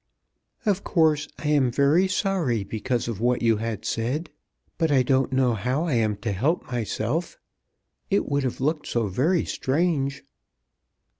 "Of course I am very sorry because of what you had said. But I don't know how I am to help myself. It would have looked so very strange."